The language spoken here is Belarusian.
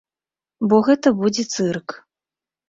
Бо гэта будзе цырк.